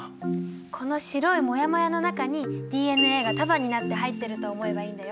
この白いモヤモヤの中にＤＮＡが束になって入ってると思えばいいんだよ。